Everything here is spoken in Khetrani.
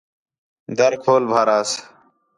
دَر کھول بھاراس